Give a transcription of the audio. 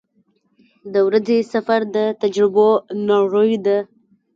• د ورځې سفر د تجربو نړۍ ده.